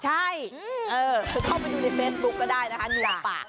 ใช่เออเข้าเมนูในเฟซบุ๊คก็ได้นะคะโบหรือปาก